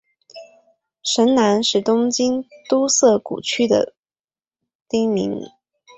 神南是东京都涩谷区的町名。